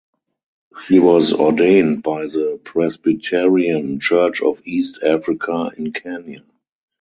She was ordained by the Presbyterian Church of East Africa in Kenya.